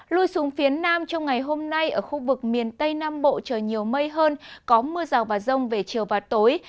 lui xuống phía nam trong ngày hôm nay ở khu vực miền tây nam bộ trời nhiều mây hơn có mưa rào và rông về chiều và tối